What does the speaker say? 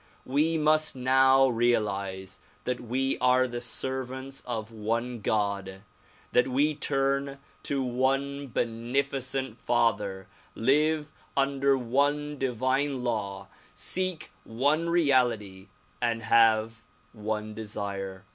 We must now realize that we are the servants of one God, that we turn to one beneficent father, live under one divine law, seek one reality and have one desire.